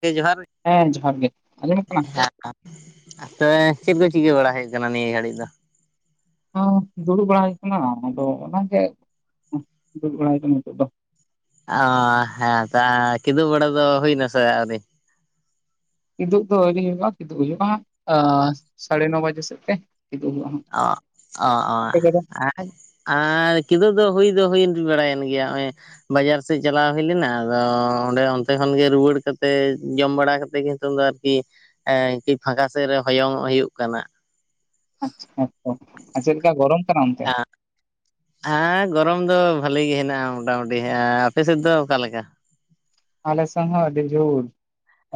ᱜ ᱡᱚᱦᱟᱨ ᱦᱮᱸ ᱡᱚᱦᱟᱨ ᱜᱮ ᱟᱸᱡᱚᱢᱚᱜ ᱠᱟᱱᱟ ᱟᱪᱮ ᱪᱮᱫ ᱠᱚ ᱪᱤᱠᱟᱹ ᱵᱟᱲᱟ ᱦᱳᱭᱩᱜ ᱠᱟᱱᱟ ᱱᱤᱭᱟᱹ ᱜᱷᱟᱹᱲᱤᱡ ᱫᱚ ᱦᱩᱸ ᱫᱩᱲᱩᱵ ᱵᱟᱲᱟ ᱠᱟᱱᱟ ᱟᱫᱚ ᱚᱱᱟᱜᱮ ᱵᱟᱲᱟᱭ ᱠᱟᱱ ᱤᱧ ᱦᱤᱛᱳᱜ ᱫᱚ ᱚ ᱦᱮᱸ ᱛᱚ ᱠᱸᱤᱫᱩ ᱵᱮᱲᱟ ᱫᱚ ᱦᱩᱭ ᱱᱟᱥᱮ ᱟᱩᱨᱤ ᱠᱤᱫᱩ ᱫᱚ ᱟᱹᱨᱤᱧ ᱦᱩᱭᱩᱜᱼᱟ ᱠᱤᱫᱩ ᱦᱩᱭᱩᱜᱼᱟ ᱮ ᱥᱟᱲᱮ ᱱᱚ ᱵᱟᱡᱮ ᱥᱮᱫ ᱛᱮ ᱠᱤᱫᱩᱵ ᱦᱩᱭᱩᱜᱼᱟ ᱦᱟᱸᱜ ᱚ ᱚ ᱚ ᱟᱯᱮ ᱠᱚᱫᱚ ᱟᱭ ᱠᱤᱫᱟᱹ ᱫᱚ ᱦᱩᱭ ᱦᱩᱭ ᱵᱟᱲᱟᱭᱮᱱ ᱜᱮᱭᱟ ᱱᱚᱜ ᱵᱟᱡᱟᱨ ᱥᱮᱫ ᱪᱟᱞᱟᱣ ᱦᱩᱭ ᱞᱮᱱᱟ ᱟᱫᱚ ᱚᱸᱰᱮ ᱚᱱᱛᱮ ᱠᱷᱚᱱ ᱜᱮ ᱨᱩᱣᱟᱹᱲ ᱠᱟᱛᱮ ᱛᱮ ᱡᱚᱢ ᱵᱟᱲᱟ ᱠᱟᱛᱮᱮᱫ ᱜᱮ ᱱᱤᱛᱚᱝ ᱫᱚ ᱟᱨᱠᱤ ᱮ ᱯᱷᱟᱸᱠᱟ ᱥᱮᱮᱫᱨᱮ ᱦᱚᱭᱚᱝᱚᱜ ᱦᱩᱭᱩᱜ ᱠᱟᱱᱟ ᱟᱪ ᱦᱮᱛ ᱟᱪᱟ ᱟᱨ ᱪᱮᱫ ᱞᱮᱠᱟ ᱜᱚᱨᱚᱢ ᱠᱟᱱᱟ ᱚᱱᱛᱮ ᱦ ᱟᱨ ᱜᱚᱨᱚᱢ ᱫᱚ ᱵᱷᱟᱞᱤ ᱜᱮ ᱦᱮᱱᱟᱜᱼᱟ ᱢᱳᱚᱴᱟᱢᱩᱴᱤ ᱟ ᱟᱯᱮ ᱥᱮᱫ ᱫᱚ ᱚᱠᱟᱮᱠᱟ ᱟᱞᱮ ᱥᱦ ᱟᱤᱫ ᱡᱩᱞ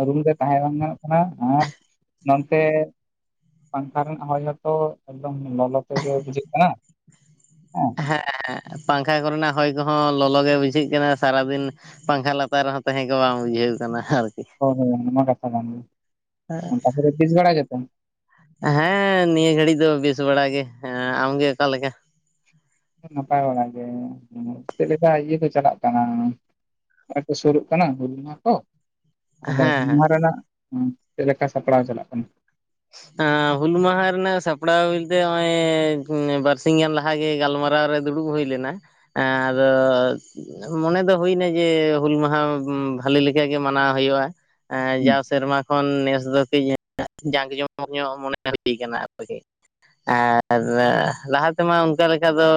ᱨᱩᱢ ᱨᱮ ᱛᱟᱦᱮᱸ ᱵᱟᱝ ᱜᱟᱱᱚᱜ ᱠᱟᱱᱟ ᱟᱨ ᱱᱚᱱᱛᱮ ᱯᱟᱝᱠᱷᱟ ᱨᱮᱱ ᱦᱚᱭ ᱦᱚᱸᱚᱛᱚ ᱮᱠᱫᱚᱢ ᱞᱚᱞᱚ ᱛᱮᱜᱮ ᱵᱩᱡᱷᱟᱹᱜ ᱠᱟᱱᱟ ᱦᱮᱸ ᱯᱟᱝᱠᱷᱟ ᱠᱚᱨᱮᱱᱟᱜ ᱦᱚᱭ ᱠᱚᱦᱚᱸ ᱞᱚᱞᱚᱜ ᱜᱮ ᱵᱩᱡᱷᱟᱹᱜ ᱠᱟᱱᱟ ᱥᱟᱨᱟᱫᱤᱱ ᱯᱟᱝᱠᱷᱟ ᱞᱟᱛᱟᱨ ᱨᱮᱦᱚᱸ ᱛᱟᱦᱮᱸ ᱠᱚ ᱵᱟᱝ ᱵᱩᱡᱷᱟᱹᱣ ᱟᱠᱟᱱᱟ ᱦᱚ ᱩᱱᱟ ᱢᱟ ᱠᱟᱛᱷᱟ ᱠᱟᱱ ᱜᱮᱭᱟ ᱵᱤᱥ ᱵᱟᱲᱟ ᱜᱮ ᱛᱚ ᱦᱮᱸ ᱱᱤᱭᱟᱹ ᱜᱷᱟᱹᱲᱤᱡ ᱫᱚ ᱵᱮᱥ ᱵᱟᱲ ᱜᱮᱸ ᱟᱢᱜᱮ ᱚᱠᱟᱮ ᱞᱮᱠᱟ ᱱᱟᱯᱟᱭ ᱵᱟᱲ ᱜᱮ ᱪᱮᱫ ᱞᱮᱠᱟ ᱤᱭᱟᱹ ᱠᱚ ᱪᱟᱞᱟᱜ ᱠᱟᱱᱟ ᱱᱚᱜ ᱛᱚ ᱥᱩᱨᱩᱜ ᱠᱟᱱᱟ ᱦᱩᱞᱢᱟ ᱠᱚ ᱚᱲᱮᱡ ᱦᱮᱸ ᱦᱩᱞ ᱢᱟᱦᱟᱸ ᱨᱮᱱᱟᱜ ᱪᱮᱫᱮ ᱞᱮᱠᱟ ᱥᱟᱯᱲᱟᱣ ᱪᱟᱞᱟᱜ ᱠᱟᱱᱟ ᱦᱩᱞ ᱢᱟᱦᱟ ᱨᱮᱱᱟᱜ ᱥᱟᱯᱲᱟᱣ ᱵᱩᱛᱮ ᱱᱚᱜᱼᱚᱭ ᱵᱟᱨᱥᱤ ᱜᱟᱱ ᱞᱟᱦᱟᱮ ᱜᱮ ᱜᱟᱞᱢᱟᱨᱟᱣ ᱟᱨᱟᱣ ᱨᱮ ᱫᱩᱲᱩᱵ ᱦᱩᱭ ᱞᱮᱱᱟ ᱟᱫᱚ ᱢᱚᱱᱮ ᱫᱚ ᱦᱩᱭᱱᱟ ᱡᱮ ᱦᱩᱞ ᱢᱟᱦᱟ ᱵᱷᱟᱞᱮ ᱞᱮᱠᱟᱜ ᱜᱮ ᱢᱟᱱᱟᱣ ᱦᱩᱭᱩᱜᱼᱟ᱾ ᱦᱩᱸ ᱡᱟ ᱥᱮᱨᱢᱟ ᱠᱷᱚᱱ ᱱᱮᱥ ᱫᱚ ᱠᱟᱹᱡ ᱡᱟᱸᱠ ᱡᱚᱢᱚᱠ ᱧᱚᱜ ᱢᱚᱱᱮ ᱦᱩᱭ ᱠᱟᱱᱟ [inaudible] ᱞᱟᱦᱟ ᱛᱮᱢᱟ ᱚᱱᱠᱟ ᱞᱮᱠᱟ ᱫᱚ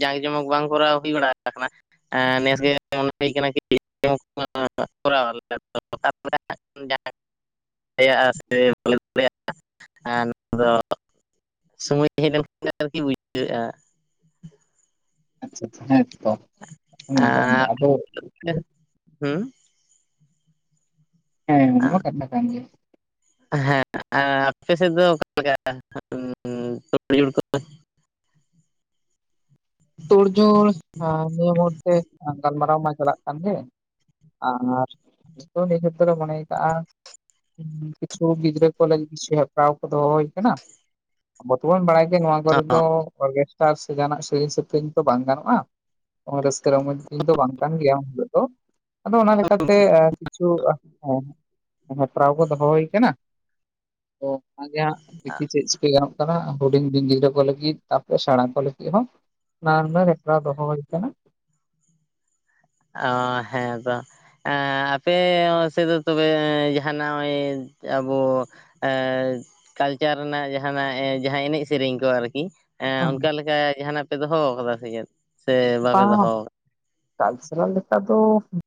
ᱡᱟᱸᱠ ᱡᱚᱢᱚᱠ ᱵᱟᱝ ᱠᱚᱨᱟᱣ ᱦᱩᱭ ᱵᱟᱲᱟᱜ [inaudible] ᱟᱠᱟᱱᱟ ᱱᱮᱥᱜᱮ ᱢᱚᱱᱮ ᱦᱩᱭ ᱠᱟᱱᱟ [inaudible] [inaudible] [inaudible] [inaudible] [inaudible] [inaudible] [inaudible] ᱥᱚᱢᱚᱭ ᱦᱮᱡ ᱞᱮᱱᱠᱷᱟᱱ ᱜᱮ ᱟᱨᱠᱤ ᱵᱩᱡᱷᱟᱹᱜᱼᱟ᱾ [inaudible] [inaudible] [inaudible] ᱦᱩ ᱦᱮᱸ ᱚᱱᱟᱢᱟ ᱠᱟᱛᱷᱟ ᱠᱟᱱ ᱜᱮᱭᱟ᱾ ᱦᱮᱸ ᱟᱯᱮ ᱥᱮᱫ ᱫᱚ ᱚᱠᱟ ᱞᱮᱠᱟ [inaudible] [inaudible] ᱛᱩᱲᱡᱳᱲ ᱱᱤᱭᱟᱹ ᱢᱩᱦᱩᱨᱛᱮ ᱜᱟᱞᱢᱟᱨᱟᱣ ᱢᱟ ᱪᱟᱞᱟᱜ ᱠᱟᱱ ᱜᱮ [unintelligible] ᱠᱤᱪᱷᱩ ᱜᱤᱫᱽᱨᱟᱹ ᱠᱚ ᱞᱟᱹᱜᱤᱫ ᱠᱤᱪᱷᱩ ᱦᱟᱛᱟᱣ ᱠᱚ ᱫᱚ ᱦᱩᱭ ᱟᱠᱟᱱᱟ ᱟᱵᱚ ᱛᱚᱵᱚᱱ ᱵᱟᱲᱟᱭ ᱱᱚᱣᱟ ᱠᱚᱨᱮ ᱫᱚ ᱚᱨᱜᱮᱥᱴᱟᱨ ᱥᱮ ᱡᱟᱦᱟᱱᱟᱜ ᱥᱮᱨᱮᱧ ᱥᱮᱯᱨᱮᱧ ᱛᱚ ᱵᱟᱝ ᱜᱟᱱᱚᱜᱼᱟ᱾ [unintelligible] [unintelligible] ᱠᱤᱪᱷᱩ ᱦᱮᱯᱨᱟᱣ ᱠᱚ ᱫᱚᱦᱚ ᱦᱩᱭ ᱟᱠᱟᱱᱟ ᱫᱤᱠᱷᱤ ᱪᱮᱫ ᱪᱤᱠᱟᱹ ᱜᱟᱱᱚᱜ ᱠᱟᱱᱟ ᱦᱩᱰᱤᱧ ᱫᱤᱱ ᱜᱤᱫᱽᱨᱟᱹ ᱠᱚ ᱞᱟᱹᱜᱤᱫ ᱛᱟᱨᱯᱚᱨ ᱮ ᱥᱮᱬᱟ ᱠᱚ ᱞᱟᱹᱜᱤᱫ ᱦᱚᱸ [unintelligible] ᱫᱚᱦᱚ ᱦᱩᱭ ᱟᱠᱟᱱᱟ ᱦᱮᱸ ᱫᱟ ᱟᱯᱮ ᱥᱮᱫ ᱫᱚ ᱛᱚᱵᱮ ᱡᱟᱦᱟᱱᱟᱜ [unintelligible] ᱟᱵᱚ ᱠᱟᱞᱪᱟᱨ ᱨᱮᱱᱟᱜ ᱡᱟᱦᱟᱱᱟᱜ ᱡᱟᱦᱟᱸ ᱮᱱᱮᱡ ᱥᱮᱨᱮᱧ ᱠᱚ ᱟᱨᱠᱤ ᱦᱮᱸ ᱚᱱᱠᱟ ᱞᱮᱠᱟ ᱡᱟᱦᱟᱱᱟᱜ ᱯᱮ ᱫᱚᱦᱚ ᱠᱟᱫᱟ ᱥᱮ ᱪᱮᱫ ᱥᱮ [inaudible] [unintelligible] ᱵᱟᱯᱮ ᱫᱚᱦᱚ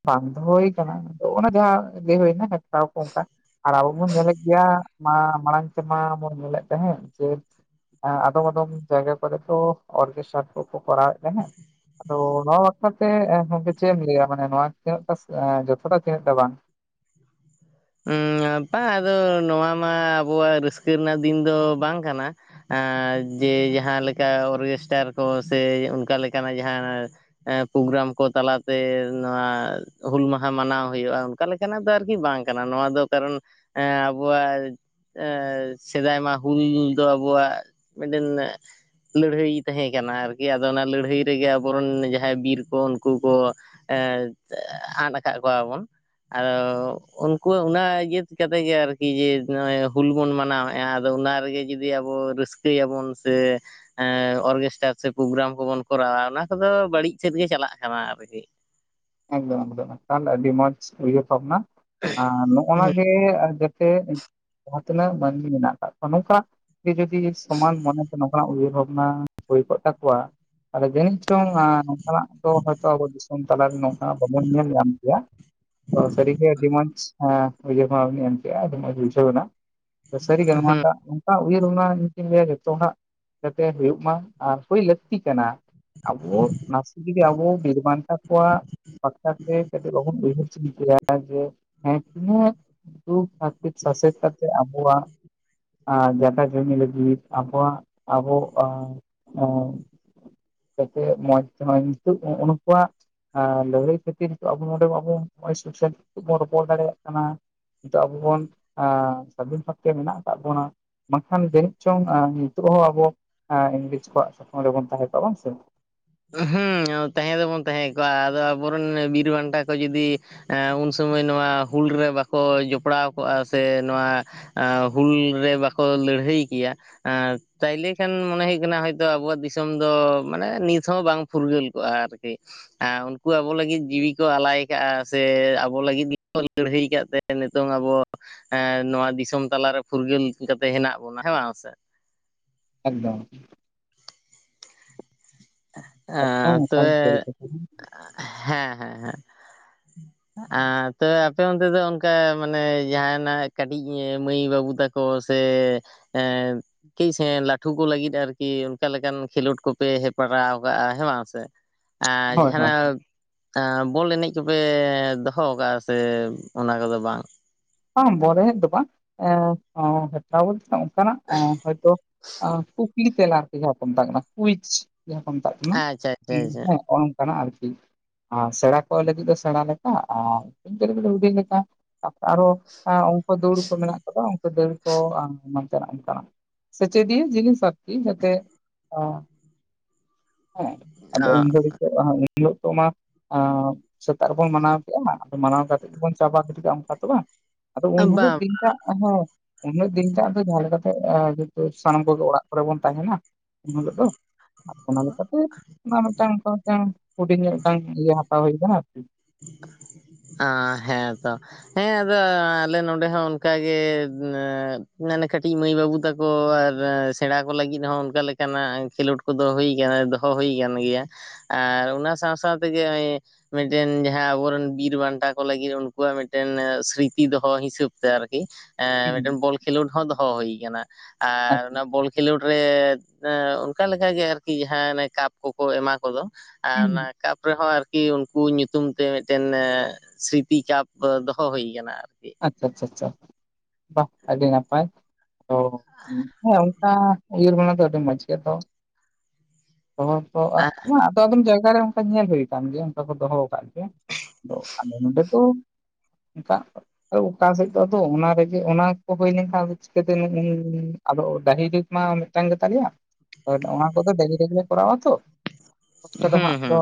ᱵᱟᱝ ᱫᱚᱦᱚ ᱦᱩᱭ ᱟᱠᱟᱱᱟ ᱚᱱᱟ ᱡᱟᱦᱟᱸ ᱞᱟᱹᱭ ᱦᱩᱭᱱᱟ [unintelligible] [inaudible] ᱟᱨ ᱟᱵᱚ ᱵᱚᱱ ᱧᱮᱞᱮᱫ ᱜᱮᱭᱟ ᱢᱟ ᱢᱟᱲᱟᱝ ᱛᱮᱢᱟ ᱵᱚᱱ ᱧᱮᱞᱮᱫ ᱛᱟᱦᱮᱸᱫ ᱡᱮ ᱟᱫᱚᱢ ᱟᱫᱚᱢ ᱡᱟᱭᱜᱟ ᱠᱚᱨᱮ ᱫᱚ ᱚᱨᱜᱮᱥᱴᱟᱨ ᱠᱚᱠᱚ ᱠᱚᱨᱟᱣᱮᱫ ᱛᱟᱦᱮᱫ ᱟᱫᱚ ᱱᱚᱣᱟ ᱵᱟᱠᱷᱨᱟ ᱛᱮ ᱪᱮᱫ ᱮᱢ ᱞᱟᱹᱭᱟ ᱢᱟᱱᱮ ᱱᱚᱣᱟ [unintelligible] [inaudible] ᱵᱟᱝ [inaudible] ᱵᱟᱝ ᱟᱫᱚ ᱱᱚᱣᱟ ᱢᱟ ᱟᱵᱚᱣᱟᱹᱜ ᱨᱟᱹᱥᱠᱟᱹ ᱨᱮᱱᱟᱜ ᱫᱤᱱ ᱫᱚ ᱵᱟᱝ ᱠᱟᱱᱟ ᱡᱮ ᱡᱟᱦᱟ ᱞᱮᱠᱟ ᱚᱨᱜᱮᱥᱴᱟᱨ ᱠᱚ ᱥᱮ ᱚᱱᱠᱟ ᱞᱮᱠᱟᱱᱟᱜ ᱡᱟᱦᱟ [inaudible] ᱯᱨᱳᱜᱨᱟᱢ ᱠᱚ ᱛᱟᱞᱟᱛᱮ ᱱᱚᱣᱟ ᱦᱩᱞ ᱢᱟᱦᱟ ᱢᱟᱱᱟᱣ ᱦᱩᱭᱩᱜᱼᱟ ᱚᱱᱠᱟ ᱞᱮᱠᱟᱱᱟᱜ ᱫᱚ ᱟᱨᱠᱤ ᱵᱟᱝ ᱱᱚᱣᱟ ᱫᱚ ᱠᱟᱨᱚᱱ ᱮ ᱟᱵᱚᱣᱟᱜ ᱥᱮᱫᱟᱭ ᱢᱟ ᱦᱩᱞ ᱫᱚ ᱟᱵᱚᱣᱟᱜ ᱢᱤᱫᱴᱮᱱ ᱞᱟᱹᱲᱦᱟᱹᱭ ᱛᱟᱦᱮᱸ ᱠᱟᱱᱟ ᱟᱨᱠᱤ ᱟᱫᱚ ᱚᱱᱟ ᱞᱟᱹᱲᱦᱟᱹᱭ ᱨᱮᱜᱮ ᱟᱵᱚᱨᱮᱱ ᱡᱟᱦᱟᱸᱭ ᱵᱤᱨ ᱠᱚ ᱩᱱᱠᱩ ᱠᱚ ᱟᱫ ᱟᱠᱟᱫ ᱠᱚᱣᱟ ᱵᱚᱱ [inaudible] ᱠᱩᱣᱟᱜ ᱚᱱᱟ ᱤᱭᱟᱹᱛ ᱠᱟᱛᱮ ᱜᱮ ᱟᱨᱠᱤ ᱡᱮ ᱱᱚᱜᱼᱚᱭ ᱦᱩᱞ ᱵᱚᱱ ᱢᱟᱱᱟᱣᱮᱫᱼᱟ ᱟᱫᱚ ᱚᱱᱟ ᱨᱮᱜᱮ ᱡᱩᱫᱤ ᱟᱵᱚ [unintelligible] ᱨᱟᱹᱥᱠᱟᱹᱭᱟᱵᱚᱱ ᱥᱮ ᱚᱨᱜᱮᱥᱴᱟᱨ ᱥᱮ ᱯᱨᱜᱨᱟᱢ ᱠᱚᱵᱚᱱ ᱠᱚᱨᱟᱣᱟ ᱚᱱᱟ ᱠᱚᱫᱚ ᱵᱟᱹᱲᱤᱡ ᱥᱮᱫ ᱜᱮ ᱪᱟᱞᱟᱜ ᱠᱟᱱᱟ ᱟᱨᱠᱤ [unintelligible] ᱮᱠᱫᱚᱢ ᱮᱠᱫᱚᱢ ᱮᱠᱟᱞ ᱟᱹᱰᱤ ᱢᱚᱸᱡᱽ ᱩᱭᱦᱟᱹᱨ ᱵᱷᱟᱵᱱᱟ ᱟᱨ ᱱᱚᱜᱼᱱᱟᱮ [inaudible] ᱛᱮ ᱡᱟᱦᱟᱸ ᱛᱤᱱᱟᱹᱜ ᱢᱟᱹᱱᱢᱤ ᱢᱮᱱᱟᱜ ᱟᱠᱟᱜ ᱠᱚᱣᱟ ᱱᱚᱝᱠᱟ [unintelligible] ᱡᱚᱫᱤ ᱥᱚᱢᱟᱱ ᱢᱚᱱᱮᱛᱮ ᱱᱚᱝᱠᱟᱱᱟᱜ ᱩᱭᱦᱟᱹᱨ ᱵᱷᱟᱵᱽᱱᱟ ᱦᱩᱭ ᱠᱚᱜ ᱛᱟᱠᱚᱣᱟ [unintelligible] ᱡᱟᱹᱱᱤᱡ ᱪᱚᱝ ᱱᱚᱝᱠᱟᱱᱟᱜ ᱫᱚ ᱦᱚᱭᱛᱚ ᱟᱵᱚ ᱫᱤᱥᱚᱢ ᱛᱟᱞᱟ ᱨᱮ [unintelligible] ᱥᱟᱹᱨ ᱜᱮ ᱟᱹᱰᱤ ᱢᱚᱪ [unintelligible] [inaudible] ᱟᱹᱰᱤ ᱢᱚᱪ ᱵᱩᱡᱷᱟᱹᱣ ᱱᱟ ᱥᱟᱹᱨᱤ ᱜᱮ [unintelligible] ᱦᱩᱸ [unintelligible] [unintelligible] [inaudible] ᱠᱟᱛᱮ ᱦᱩᱭᱩᱜ ᱢᱟ ᱟᱨ ᱦᱩᱭ ᱞᱟᱹᱠᱛᱤ ᱠᱟᱱᱟ᱾ ᱟᱵᱚ ᱱᱟᱥᱮ ᱛᱮᱜᱮ ᱟᱵᱚ ᱵᱤᱨ ᱵᱟᱱᱴᱟ ᱠᱚᱣᱟᱜ ᱯᱟᱠᱟ ᱛᱮ ᱟᱵᱚ ᱞᱚᱜᱚᱱ ᱧᱚᱜ ᱵᱚᱱ ᱩᱭᱦᱟᱹᱨ ᱪᱤᱱᱛᱟᱹᱭᱟ ᱡᱮ ᱦᱮᱸ ᱛᱤᱱᱟᱹᱜ ᱫᱩᱠ ᱦᱟᱨᱠᱮᱛ ᱥᱟᱥᱮᱛ ᱠᱟᱛᱮᱜ ᱟᱵᱚᱣᱟᱜ ᱡᱟᱠᱟ ᱡᱚᱢᱤ ᱞᱟᱹᱜᱤᱫ ᱟᱵᱚᱣᱟᱜ ᱟᱵᱚ ᱟ ᱮ ᱡᱟᱛᱮ ᱢᱚᱡᱽ ᱛᱮᱦᱚᱸᱚᱭ ᱱᱤᱛᱳᱜ ᱩᱱᱠᱩᱣᱟᱜ ᱮ ᱞᱟᱹᱲᱦᱟᱹᱭ ᱠᱷᱟᱹᱛᱤᱨ ᱟᱵᱚ ᱱᱚᱰᱮ ᱟᱵᱚ ᱥᱮ ᱵᱚᱱ ᱨᱚᱯᱚᱲ ᱫᱟᱲᱮᱭᱟᱜ ᱠᱟᱱᱟ ᱱᱤᱛᱚᱜ ᱟᱵᱚ ᱵᱚᱱ ᱥᱟᱫᱷᱤᱱ ᱵᱷᱟᱵᱛᱮ ᱢᱮᱱᱟᱜ ᱟᱠᱟᱫ ᱵᱚᱱᱟ ᱵᱟᱝᱠᱷᱟᱱ ᱡᱟᱹᱱᱤᱡ ᱪᱚᱝ ᱱᱤᱛᱚᱜ ᱦᱚᱸ ᱟᱵᱚ ᱤᱝᱨᱮᱡᱽ ᱠᱚᱣᱟᱜ ᱥᱟᱛᱟᱝ ᱨᱮᱵᱚᱱ ᱛᱟᱦᱮᱸ ᱠᱚᱜᱼᱟ ᱵᱟᱝ ᱥᱮ ᱦᱮᱸ ᱛᱟᱦᱮᱸ ᱫᱚᱵᱚᱱ ᱛᱟᱦᱮᱸ ᱠᱚᱜᱼᱟ ᱟᱫᱚ ᱟᱵᱚᱨᱮᱱ ᱵᱤᱨ ᱵᱟᱱᱴᱟ ᱠᱚ ᱡᱩᱫᱤ ᱩᱱ ᱥᱚᱢᱚᱭ ᱥᱚᱢᱚᱭ ᱱᱚᱣᱟ ᱦᱩᱞ ᱨᱮ ᱵᱟᱠᱚ ᱡᱚᱯᱲᱟᱣ ᱠᱚᱜᱼᱟ ᱥᱮ ᱱᱚᱣᱟ ᱦᱩᱞ ᱨᱮ ᱵᱟᱠᱚ ᱞᱟᱹᱲᱦᱟᱹᱭ ᱠᱮᱭᱟ ᱛᱟᱦᱞᱮ ᱠᱷᱟᱱ ᱢᱚᱱᱮ ᱦᱩᱭᱩᱜ ᱠᱟᱱᱟ ᱟᱵᱚᱣᱟᱜ ᱫᱤᱥᱚᱢ ᱫᱚ ᱢᱟᱱᱮ ᱱᱤᱛ ᱵᱟᱝ ᱯᱷᱩᱨᱜᱟᱹᱞ ᱠᱚᱜᱼᱟ ᱟᱨᱠᱤ ᱩᱱᱠᱩ ᱟᱵᱚ ᱞᱟᱹᱜᱤᱫ ᱡᱤᱣᱤ ᱠᱚ ᱟᱞᱟᱭ ᱠᱟᱜᱼᱟ ᱥᱮ ᱟᱵᱚ ᱞᱟᱹᱜᱤᱫ ᱜᱮ ᱞᱟᱹᱲᱦᱟᱹᱭ ᱟᱠᱟᱫ ᱛᱮ ᱱᱤᱛᱚᱝ ᱟᱵᱚ ᱱᱚᱣᱟ ᱫᱤᱥᱚᱢ ᱛᱟᱞᱟᱨᱮ ᱯᱷᱩᱨᱜᱟᱹᱞ ᱠᱟᱛᱮ ᱦᱮᱱᱟᱜ ᱦᱮᱱᱟᱜ ᱵᱚᱱᱟ ᱦᱮᱸ ᱵᱟᱝᱥᱮ ᱮᱫᱚᱢ ᱮ ᱥᱟᱹᱨᱤ ᱛᱚᱵᱮ ᱠᱟᱛᱷᱟ ᱜᱮ᱾ ᱦᱮᱸ ᱦᱮᱸ ᱦᱮᱸ ᱛᱚ ᱟᱯᱮ ᱚᱱᱛᱮ ᱫᱚ ᱚᱱᱠᱟ ᱢᱟᱱᱮ ᱡᱟᱦᱟᱱᱟᱜ ᱠᱟᱹᱴᱤᱡ ᱢᱟᱹᱭ ᱵᱟᱹᱵᱩ ᱵᱟᱵᱩ ᱛᱟᱠᱚ ᱥᱮ ᱠᱟᱹᱪ ᱥᱮ ᱞᱟᱹᱴᱷᱩ ᱠᱚ ᱞᱟᱹᱜᱤᱫ ᱟᱨᱠᱤ ᱚᱱᱠᱟ ᱞᱮᱠᱟᱱ ᱠᱷᱮᱞᱳᱰ ᱠᱚᱯᱮ ᱦᱮᱯᱨᱟᱣ ᱟᱠᱟᱜᱼᱟ ᱦᱮᱸ ᱵᱟᱝ ᱥᱮ ᱟᱨ ᱦᱳᱭ ᱦᱳᱭ ᱡᱟᱦᱟᱱᱟᱜ ᱵᱚᱞ ᱮᱱᱮᱡ ᱠᱚᱯᱮ ᱫᱚᱦᱚ ᱠᱟᱜᱼᱟ ᱥᱮ ᱚᱱᱟ ᱠᱚᱫᱚ ᱵᱟᱝ ᱵᱟᱝ ᱵᱚᱞ ᱮᱱᱟᱡ ᱫᱚ ᱵᱟᱝ ᱮ ᱦᱚᱭᱛᱳ ᱠᱩᱠᱞᱤ ᱛᱮᱞᱟ ᱡᱟᱦᱟᱸ ᱠᱚ ᱢᱮᱛᱟᱜ ᱠᱟᱱᱟ ᱠᱩᱭᱤᱪ ᱡᱟᱦᱟᱸ ᱠᱚ ᱢᱮᱛᱟᱜ ᱠᱟᱱᱟ ᱟᱪᱪᱷᱟ ᱟᱪᱪᱷᱟ ᱦᱮᱸ ᱟᱪᱪᱷᱟ ᱱᱚᱝᱠᱟᱱᱟᱜ ᱟᱨᱠᱤ ᱟᱨ ᱥᱮᱬᱟ ᱠᱚ ᱞᱟᱹᱜᱤᱫ ᱫᱚ ᱥᱮᱬᱟ ᱞᱮᱠᱟ ᱟᱨ [unintelligible] ᱞᱟᱹᱜᱤᱫ ᱦᱩᱰᱤᱧ ᱞᱮᱠᱟ ᱟᱨᱚ ᱩᱱᱠᱩ ᱫᱩᱲᱩ ᱠᱚ ᱢᱮᱱᱟᱜ ᱠᱚᱫᱚ ᱫᱟᱹᱲ ᱠᱚ ᱚᱱᱠᱟ ᱱᱚᱝᱠᱟᱱᱟᱜ ᱥᱮᱪᱮᱫᱤᱭᱟᱹ ᱡᱤᱱᱤᱥ ᱟᱨ ᱟᱨᱠᱤ ᱡᱟᱛᱮ ᱚ [inaudible] ᱦᱮᱸ ᱟᱫᱚ ᱩᱱ ᱫᱚ ᱩᱱ ᱦᱤᱞᱚᱜ ᱢᱟ ᱥᱮᱛᱟᱜ ᱨᱮᱵᱚᱱ ᱢᱟᱱᱟᱣ ᱠᱮᱜᱼᱟ ᱢᱟᱲ ᱢᱟᱱᱟᱣ ᱠᱟᱛᱮᱫ ᱜᱮᱵᱚᱱ ᱪᱟᱵᱟ ᱜᱤᱰᱤ ᱠᱟᱜᱼᱟ ᱚᱱᱠᱟ ᱛᱚ ᱵᱟᱝ ᱟᱫᱚ ᱚ ᱩᱱ ᱦᱤᱞᱳᱜ ᱵᱟᱝ ᱫᱤᱱᱴᱟᱜ ᱦᱮᱸ ᱩᱱ ᱦᱤᱞᱳᱜ ᱫᱤᱱᱴᱟᱜ ᱫᱚ ᱡᱟᱦᱟᱸ ᱞᱮᱠᱟᱛᱮ ᱛᱚ ᱥᱟᱱᱟᱢ ᱠᱚᱜᱮ ᱚᱲᱟᱜ ᱠᱚᱨᱮ ᱵᱚᱱ ᱛᱟᱦᱮᱱᱟ᱾ ᱮᱦᱤᱞᱳᱜ ᱫᱚ ᱚᱱᱟ ᱞᱮᱠᱟᱛᱮ ᱚᱱᱟ ᱢᱤᱫᱴᱟᱝ ᱚᱱᱠᱟ ᱢᱤᱫᱴᱟᱝ ᱦᱩᱰᱤᱧ ᱧᱚᱜ ᱢᱤᱫᱴᱟᱝ ᱤᱭᱟᱹ ᱦᱟᱛᱟ ᱦᱩᱭ ᱠᱟᱱᱟ ᱟᱨ ᱠᱤ [inaudible] ᱦᱮᱸᱛᱚ ᱦᱮᱸ ᱟᱫᱚ ᱟᱞᱮ ᱱᱚᱰᱮ ᱦᱚᱸ ᱚᱱᱠᱟᱜᱮ ᱢᱟᱱᱮ ᱠᱟᱹᱴᱤᱡ ᱢᱟᱹᱭ ᱵᱟᱹᱵᱩ ᱛᱟᱠᱚ ᱟᱨ ᱥᱮᱬᱟ ᱠᱚ ᱞᱟᱹᱜᱤᱫ ᱦᱚᱸ ᱚᱱᱠᱟ ᱞᱮᱠᱟᱱᱟᱜ ᱠᱷᱮᱞᱳᱰ ᱠᱚᱫᱚ ᱦᱩᱭ ᱟᱠᱟᱱᱟ᱾ ᱫᱚᱦᱚ ᱦᱩᱭ ᱟᱠᱟᱱ ᱜᱮᱭᱟ ᱟᱨ ᱚᱱᱟ ᱥᱟᱶ ᱥᱟᱶ ᱛᱮᱜᱮ ᱢᱤᱫ ᱢᱤᱫᱴᱮᱱ ᱡᱟᱦᱟᱸᱭ ᱟᱵᱚᱨᱮᱱ ᱵᱤᱨ ᱵᱟᱱᱴᱟ ᱠᱚ ᱞᱟᱹᱜᱤᱫ ᱩᱱᱠᱩᱣᱟᱜ ᱢᱤᱫᱴᱮᱱ ᱥᱨᱤᱛᱤ ᱫᱚᱦᱚ ᱦᱤᱥᱟᱹᱵ ᱛᱮ ᱟᱨᱠᱤ ᱮ ᱦᱩᱸ ᱢᱤᱫᱴᱮᱱ ᱵᱚᱞ ᱠᱷᱮᱞᱳᱰ ᱦᱚᱸ ᱫᱚᱦᱚ ᱦᱩᱭ ᱟᱠᱟᱱᱟ ᱟᱨ ᱟᱪᱪᱷᱟ ᱚᱱᱟ ᱵᱚᱞ ᱠᱷᱮᱞᱳᱰ ᱨᱮ ᱚᱱᱠᱟ ᱞᱮᱠᱟ ᱜᱮ ᱟᱨᱠᱤ ᱡᱟᱦᱟᱸ ᱠᱟᱯ ᱠᱚᱠᱚ ᱮᱢᱟ ᱠᱚᱫᱚ ᱟᱨ ᱦᱩᱸ ᱚᱱᱟ ᱠᱟᱯ ᱨᱮᱦᱚᱸ ᱟᱨᱠᱤ ᱠᱩ ᱧᱩᱛᱩᱢ ᱛᱮ ᱢᱤᱫᱴᱮᱱ ᱥᱨᱤᱛᱤᱠᱟᱯ ᱫᱚᱦᱚ ᱦᱩᱭ ᱟᱠᱟᱱᱟ᱾ ᱟᱪᱪᱷᱟ ᱟᱪᱪᱷᱟᱷᱟ ᱵᱟ ᱟᱹᱰᱤ ᱱᱟᱯᱟᱭ ᱚ ᱦᱮᱸ ᱚᱱᱠᱟ ᱩᱭᱟᱹᱨ ᱵᱮ ᱫᱚ ᱟᱹᱰᱤ ᱢᱚᱸᱡᱽ ᱜᱮᱭᱟ ᱛᱚ [inaudible] ᱟᱫᱚ ᱟᱫᱚᱢ ᱡᱟ ᱮᱴᱟᱜ ᱨᱮ ᱚᱱᱠᱟ ᱧᱮᱞ ᱦᱩᱭ ᱟᱠᱟᱱ ᱜᱮᱭᱟ ᱚᱱᱠᱟ ᱠᱚ ᱫᱚᱦᱚ ᱟᱠᱟᱫ ᱜᱮᱭᱟ ᱟᱞᱮ ᱱᱚᱰᱮ ᱫᱚ ᱮᱴᱟᱜ ᱟᱫᱚ ᱚᱠᱟ ᱥᱮᱫ ᱫᱚ ᱟᱫᱚ ᱚᱱᱟ ᱨᱮᱜᱮ ᱚᱱᱟ ᱠᱚ ᱦᱩᱭ ᱞᱮᱱᱠᱷᱟᱱ ᱪᱤᱠᱟᱹᱛᱮ ᱟᱫᱚ ᱰᱟᱹᱦᱤ ᱫᱤᱠ ᱢᱟ ᱢᱤᱫᱴᱟᱝ ᱜᱮ ᱛᱟᱞᱮᱭᱟ ᱚᱱᱟ ᱠᱚᱫᱚ [unintelligible] ᱨᱮᱜᱮ ᱠᱚᱨᱟᱣᱟ ᱛᱚ ᱚᱛ ᱫᱚ ᱦᱟᱸᱜ ᱦᱩᱸ ᱦᱩᱸ ᱫᱚ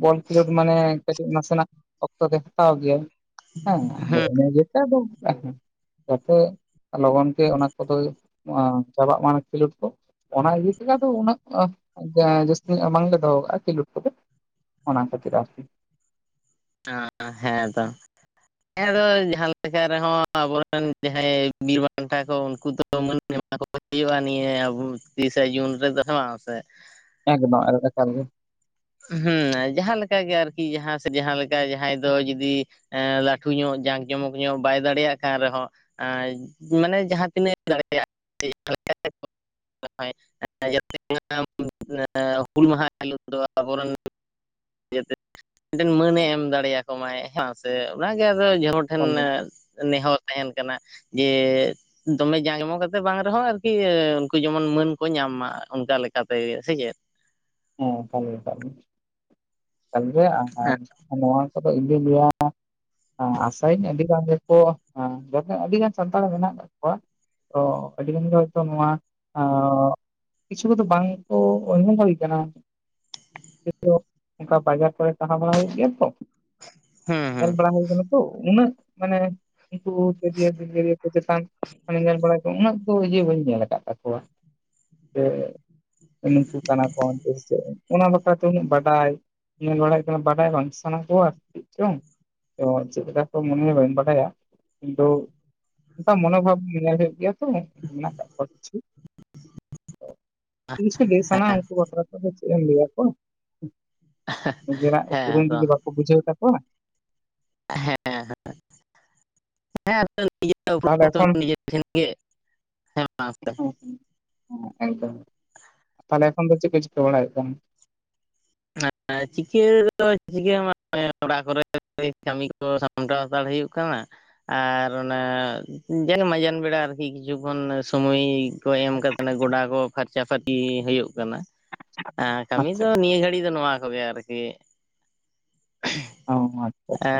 ᱵᱚᱞ ᱠᱷᱮᱞᱳᱰ ᱢᱟᱱᱮ ᱠᱟᱹᱴᱤᱡ ᱱᱟᱥᱮᱱᱟᱜ ᱦᱟᱛᱟᱣ ᱜᱮᱭᱟ [unintelligible] [unintelligible] [inaudible] ᱡᱟᱛᱮ ᱞᱚᱜᱚᱱ ᱜᱮ ᱚᱱᱟ ᱠᱚᱫᱚ ᱪᱟᱵᱟᱜ ᱢᱟ ᱠᱷᱮᱞᱳᱰ ᱠᱚ ᱚᱱᱟ ᱤᱭᱟᱹ ᱠᱟᱛᱮᱜ ᱫᱚ ᱩᱱᱟᱹᱜ ᱡᱟᱹᱥᱛᱤ ᱧᱚᱜ ᱵᱟᱝᱞᱮ ᱫᱚᱦᱚ ᱠᱟᱜᱼᱟ ᱠᱷᱮᱞᱳᱰ ᱠᱚᱫᱚ ᱚᱱᱟ ᱠᱷᱟᱹᱛᱤᱨ ᱟᱨᱠᱤ [unintelligible] ᱦᱮᱸ ᱛᱚ ᱦᱮᱸᱫᱚ ᱡᱟᱦᱟᱸ ᱞᱮᱠᱟ ᱨᱮᱦᱚᱸ ᱟᱵᱚᱨᱮᱱ ᱡᱟᱦᱟᱸᱭ ᱵᱤᱨ ᱵᱟᱱᱴᱟ ᱠᱚ ᱩᱱᱠᱩ ᱫᱚ ᱢᱟᱹᱱ ᱚᱱᱟ ᱠᱚ ᱦᱩᱭᱩᱜᱼᱟ ᱱᱤᱭᱟᱹ ᱟᱵᱚ ᱛᱤᱨᱤᱥᱮ ᱡᱩᱱ ᱨᱮᱫ ᱦᱮ ᱵᱟᱝ ᱥᱮ ᱮᱠᱫᱚᱢ ᱮᱠᱟᱞ ᱜᱮ ᱦᱮᱸ ᱡᱟᱦᱟᱸᱞᱮᱠᱟ ᱜᱮ ᱟᱨᱠᱤ ᱡᱟᱦᱟᱸ ᱡᱟᱦᱟᱸᱞᱮᱠᱟ ᱡᱟᱦᱟᱸᱭ ᱫᱚ ᱡᱩᱫᱤ ᱞᱟᱹᱴᱩ ᱧᱚᱜ ᱡᱟᱸᱠ ᱡᱚᱢᱚᱠ ᱧᱚᱜ ᱵᱟᱭ ᱫᱟᱲᱮᱭᱟᱜ ᱠᱟᱱ ᱨᱮᱦᱚᱸ ᱢᱟᱱᱮ ᱡᱟᱦᱟᱸ ᱛᱤᱱᱟᱹᱜ ᱫᱟᱲᱮᱭᱟᱜᱼᱟ ᱦᱩᱞ ᱢᱟᱦᱟ ᱦᱤᱞᱳᱜ ᱫᱚ ᱟᱵᱚᱨᱮᱱ ᱡᱟᱛᱮ ᱢᱤᱫᱴᱮᱱ ᱢᱟᱹᱱᱮ ᱮᱢ ᱫᱟᱲᱮᱭᱟᱠᱚᱢᱟᱭ ᱦᱮᱸ ᱥᱮ ᱚᱱᱟᱜᱮ ᱟᱫᱚ [unintelligible] ᱴᱷᱮᱱ ᱮᱠᱟᱞ ᱜᱮ ᱱᱮᱦᱚᱨ ᱛᱟᱦᱮᱸᱱ ᱠᱟᱱᱟ ᱡᱮ ᱫᱚᱢᱮ ᱡᱟᱢᱚ ᱠᱟᱛᱮ ᱵᱟᱝ ᱨᱮᱦᱚᱸ ᱟᱨᱠᱤ ᱩᱱᱠᱩ ᱡᱮᱢᱚᱱ ᱢᱟᱹᱱ ᱠᱚ ᱧᱟᱢ ᱥᱟᱱᱟᱢ ᱢᱟ ᱚᱱᱠᱟ ᱞᱮᱠᱟᱛᱮ ᱜᱮ ᱥᱮ ᱪᱮᱫ ᱦᱮᱸ [unintelligible] ᱛᱟᱜ ᱱᱚᱣᱟ ᱠᱚᱫᱚ ᱤᱧᱫᱩᱧ ᱞᱟᱹᱭᱟ ᱦᱮᱸ ᱟᱥᱟᱭᱧ ᱟᱹᱰᱤᱜᱟᱱ ᱜᱮᱠᱚ ᱦᱮᱸ ᱡᱮ ᱟᱹᱰᱤᱜᱟᱱ ᱥᱟᱱᱛᱟᱲ ᱢᱮᱱᱟᱜ ᱠᱟᱜ ᱠᱚᱣᱟ ᱚ ᱟᱹᱰᱤ ᱜᱟᱱ ᱜᱮ ᱦᱚᱳᱭᱛᱳ ᱱᱚᱣᱟ ᱠᱤᱪᱷᱩ ᱠᱚᱫᱚ ᱵᱟᱝᱠᱚ [unintelligible] ᱦᱩᱭ ᱠᱟᱱᱟ ᱚᱱᱠᱟ ᱵᱟᱡᱟᱨ ᱠᱚᱨᱮ ᱛᱟᱦᱮᱸ ᱵᱟᱲᱟ ᱦᱩᱭᱩᱜ ᱜᱮᱭᱟ ᱛᱚ ᱦᱩᱸ ᱦᱩᱸ ᱧᱮᱞ ᱵᱟᱲᱟ ᱦᱩᱭ ᱠᱟᱱᱟ ᱛᱚ ᱩᱱᱟᱹᱜ ᱢᱟᱱᱮ ᱩᱱᱠᱩ [unintelligible] ᱠᱚ ᱪᱮᱛᱟᱱ ᱢᱟᱱ ᱧᱮᱞ ᱵᱟᱲᱟᱭ ᱠᱚ ᱩᱱᱟᱹᱜ ᱫᱚ ᱤᱭᱟᱹ ᱵᱟᱹᱧ ᱧᱮᱞ ᱟᱠᱟᱫ ᱛᱟᱠᱚᱣᱟ ᱡᱮ ᱱᱩᱠᱩ ᱠᱟᱱᱟ ᱠᱚ ᱚᱱᱟ ᱵᱟᱠᱷᱨᱟᱛᱮ ᱩᱱᱟᱹᱜ ᱵᱟᱰᱟᱭ ᱧᱮᱞ ᱵᱟᱲᱟᱭ ᱠᱟᱱᱟ ᱵᱟᱰᱟᱭ ᱵᱟᱝ ᱥᱟᱱᱟ ᱠᱚᱣᱟ ᱟᱨ ᱪᱮᱫ ᱪᱚᱝ ᱪᱮᱫ ᱞᱮᱠᱟ ᱠᱚ ᱢᱚᱱᱮ ᱵᱟᱹᱧ ᱵᱟᱰᱟᱭᱟ ᱠᱤᱱᱛᱩ ᱚᱱᱠᱟ ᱢᱚᱱᱳᱵᱷᱟᱵ ᱧᱮᱞ ᱦᱩᱭᱩᱜ ᱜᱮᱭᱟ ᱛᱚ ᱢᱮᱱᱟᱜ ᱠᱟᱜ ᱠᱚᱣᱟ ᱠᱤᱪᱷᱩ ᱥᱟᱱᱟᱢ ᱩᱱᱠᱩ ᱵᱟᱠᱷᱨᱟ ᱪᱮᱫ ᱮᱢ ᱞᱟᱹᱭᱟ ᱠᱚ ᱱᱤᱡᱮᱨᱟᱜ ᱛᱩᱨᱩᱢ ᱦᱮᱸ ᱛᱚ ᱡᱩᱫᱤ ᱵᱟᱠᱚ ᱵᱩᱡᱷᱟᱹᱣ ᱛᱟᱠᱚᱣᱟ ᱦᱮᱸ ᱦᱮᱸ ᱦᱮᱸ ᱛᱟᱦᱚᱞᱮ [unintelligible] ᱮᱠᱷᱚᱱ ᱱᱤᱡᱮ ᱴᱷᱮᱱ ᱜᱮ ᱦᱮᱸ [unintelligible] ᱟᱠᱩ ᱚᱸᱰᱮ ᱠᱷᱚᱱ ᱫᱚ ᱪᱮᱫ ᱠᱚ ᱪᱤᱠᱟᱹ ᱵᱟᱲᱟᱭᱮᱫ ᱠᱟᱱᱟ ᱦ ᱪᱤᱠᱟᱹ ᱪᱤᱠᱟᱹ ᱚᱲᱟᱜ ᱠᱚᱨᱮ ᱠᱟᱹᱢᱤ ᱠᱚ ᱥᱟᱢᱴᱟᱣ ᱦᱟᱛᱟᱲ ᱦᱩᱭᱩᱜ ᱠᱟᱱᱟ ᱟᱨ ᱚᱱᱟ ᱡᱮᱱᱚ ᱢᱟᱡᱟᱱ ᱵᱮᱲᱟ ᱟᱨᱠᱤ ᱠᱤᱪᱷᱩ ᱠᱷᱚᱱ ᱥᱚᱢᱚᱭ ᱠᱚ ᱮᱢ ᱠᱟ ᱜᱚᱰᱟ ᱠᱚ ᱯᱷᱟᱨᱪᱟ ᱯᱷᱟᱨᱪᱤ ᱦᱩᱭᱩᱜ ᱠᱟᱱᱟ ᱦᱮᱸ ᱠᱟᱹᱢᱤ ᱟᱪᱪᱷᱟ ᱫᱚ ᱱᱤᱭᱟᱹ ᱜᱷᱟᱹᱲᱤᱡ ᱫᱚ ᱱᱚᱣᱟ ᱠᱚᱜᱮ ᱟᱨᱠᱤ ᱚ ᱟᱪ ᱮ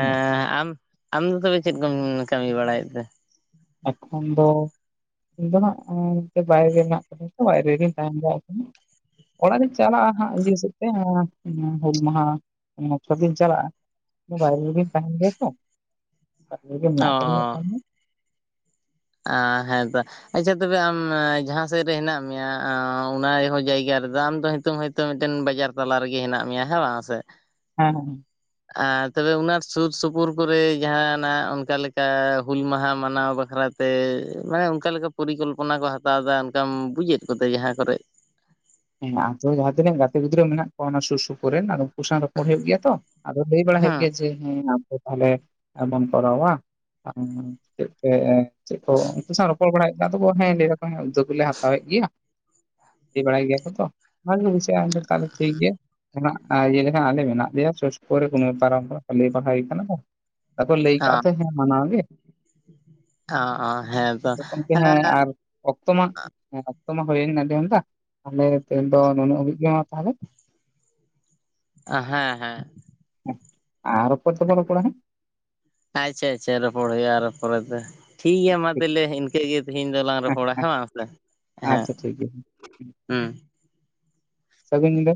ᱟᱢ ᱟᱢ ᱫᱚ ᱛᱚᱵᱮ ᱪᱮᱫ ᱠᱚᱢ ᱠᱟᱹᱢᱤ ᱵᱟᱲᱟᱭᱮᱫ ᱛᱮ ᱮᱠᱷᱚᱱ ᱫᱚ ᱤᱧ ᱫᱚ ᱦᱜ ᱵᱟᱭᱨᱮ ᱢᱮᱱᱟᱜ ᱛᱫᱤᱧ ᱵᱟᱭᱨᱮ ᱨᱤᱧ ᱛᱟᱦᱮᱸᱱ ᱫᱟᱲ ᱠᱟᱱᱟ ᱚᱲᱟᱜ ᱨᱤᱧ ᱪᱟᱞᱟᱜᱼᱟ ᱦᱟᱸᱜ ᱤᱭᱟᱹ ᱦᱥᱵ ᱛᱮ ᱦᱩᱞ ᱢᱟᱦᱟᱥ ᱵᱤᱱ ᱪᱟᱞᱟᱜᱼᱟ ᱵᱟᱭ ᱵᱤᱱ ᱛᱟᱦᱮᱸ ᱜᱮ ᱜᱮ ᱚ ᱢᱮᱱᱟᱜ ᱟᱠᱟᱫᱭᱟ ᱦᱮᱸᱛᱚ ᱟᱪᱪᱷᱟ ᱛᱚᱵᱮ ᱟᱢ ᱡᱟᱦᱟᱸ ᱥᱮᱫ ᱨᱮ ᱦᱮᱱᱟᱜ ᱢᱮᱭᱟ ᱚᱱᱟᱦᱚᱸ ᱡᱟᱭᱜᱟ ᱫᱟᱢ ᱫᱚ ᱱᱤᱛᱚᱝ ᱦᱚᱭᱛᱳ ᱢᱤᱫᱴᱮᱱ ᱵᱟᱡᱟᱨ ᱛᱟᱞᱟ ᱨᱮᱜᱮ ᱦᱮᱱᱟᱜ ᱢᱮᱭᱟ ᱦᱮᱸ ᱵᱟᱝ ᱥᱮ ᱦᱮᱸᱦᱮᱸ ᱟᱨ ᱛᱚᱵᱮ ᱚᱱᱟ ᱥᱩᱨ ᱥᱩᱯᱩᱨ ᱠᱚᱨᱮ ᱡᱟᱦᱟᱱᱟᱜ ᱚᱱᱠᱟ ᱞᱮᱠᱟ ᱦᱩᱞ ᱢᱟᱦᱟ ᱢᱟᱱᱟᱣ ᱵᱟᱠᱷᱨᱟ ᱛᱮ ᱢᱟᱱᱮ ᱚᱱᱠᱟ ᱞᱮᱠᱟ ᱯᱚᱨᱤᱠᱚᱞᱯᱚᱱᱟ ᱠᱚ ᱦᱟᱛᱟᱣᱫᱟ ᱚᱱᱠᱟᱢ ᱵᱩᱡᱮᱫ ᱠᱚᱛᱮ ᱡᱟᱦᱟᱸ ᱠᱚᱨᱮ ᱦᱮᱱᱟᱜ-ᱟ ᱡᱚᱵᱮ ᱡᱟᱦᱟᱸ ᱛᱤᱱᱟᱹᱜ ᱜᱟᱛᱮ ᱜᱤᱫᱽᱨᱟᱹ ᱢᱮᱱᱟᱜ ᱠᱚᱣᱟ ᱚᱱᱟ ᱥᱩᱨ ᱥᱩᱯᱩᱨ ᱨᱮᱱ ᱟᱨ ᱩᱱᱠᱩ ᱥᱟᱶ ᱨᱚᱯᱚᱲ ᱦᱩᱭᱩᱜ ᱜᱮᱭᱟ ᱛᱚ ᱟᱫᱚ ᱞᱟᱹᱭ ᱵᱟᱲᱟᱟᱭ ᱦᱩᱭᱩᱜ ᱦᱮᱸ ᱜᱮᱭᱟ ᱡᱮ ᱦᱮᱸ ᱛᱟᱦᱚᱞᱮ ᱵᱚᱱ ᱠᱚᱨᱟᱣᱟ ᱪᱮᱫ ᱠᱚ ᱩᱱᱠᱩ ᱨᱚᱯᱚᱲ ᱵᱟᱲᱟᱭᱮᱫ ᱜᱮ ᱛᱚ ᱦᱮᱸ ᱞᱟᱹᱭ ᱮᱫᱟ ᱠᱚ ᱩᱫᱫᱚᱜ ᱜᱮᱞᱮ ᱦᱟᱛᱟᱣᱮᱫ ᱜᱮᱭᱟ ᱞᱟᱹᱭ ᱵᱟᱲᱟᱭ ᱜᱮᱭᱟ ᱚᱱᱟᱮ ᱵᱩᱡᱷᱟᱹᱜᱼᱟ ᱛᱟᱦᱞᱮ ᱴᱷᱤᱠ ᱜᱮᱭᱟ ᱚᱱᱟ ᱤᱭᱟᱹ ᱞᱮᱠᱷᱟᱱ ᱟᱞᱮ ᱢᱮᱱᱟᱜ ᱞᱮᱭᱟ ᱥᱩᱨ ᱥᱩᱯᱩᱨ ᱠᱚᱱᱚ ᱟᱨᱟᱢ ᱦᱚᱲᱟᱜ ᱞᱟᱹᱭ ᱯᱟᱲᱦᱟᱣ ᱠᱟᱱᱟ ᱠᱚ ᱟᱠᱚ ᱞᱟᱹᱭ ᱠᱟᱜ ᱚ ᱛᱮ ᱦᱮᱸ ᱢᱟᱱᱟᱣ ᱜᱮ ᱚ ᱦᱮᱸ ᱛᱚ ᱜᱚᱢᱠᱮ ᱦᱮᱸ ᱟᱨ ᱚᱠᱛᱚ ᱢᱟ ᱦᱸ ᱚᱠᱛᱚ ᱢᱟ ᱦᱩᱭᱮᱱ ᱰᱮᱶᱫᱟ ᱛᱟᱦᱞᱮ ᱛᱮᱦᱮᱧ ᱫᱚ ᱱᱩᱱᱟᱹᱜ ᱦᱵᱤᱡ ᱜᱮᱢᱟ ᱛᱟᱦᱚᱞᱮ ᱦᱮᱸ ᱦᱮᱸ ᱟᱨ ᱨᱚᱯᱚᱲ ᱫᱚᱵᱚᱱ ᱨᱚᱯᱚᱲᱟ ᱦᱮᱸ ᱟᱪᱪᱷᱟ ᱟᱪᱪᱷᱟ ᱨᱚᱯᱚᱲ ᱦᱩᱭᱩᱜᱼᱟ ᱯᱚᱨᱮᱛᱮ ᱴᱷᱤᱠ ᱜᱮᱭᱟ ᱢᱟ ᱴᱷᱤᱠ ᱛᱟᱦᱚᱞᱮ ᱤᱱᱠᱟᱹ ᱜᱮ ᱛᱮᱤᱦᱤᱧ ᱫᱚᱞᱟᱝ ᱨᱚᱯᱚᱲᱟ ᱦᱮᱸ ᱵᱟᱝᱥ ᱦᱮᱸ ᱟᱪᱪᱷᱟ ᱴᱷᱤᱠ ᱜᱮᱭᱟ ᱦᱮᱸ ᱥᱟᱹᱜᱩᱧ ᱧᱤᱫᱟᱹ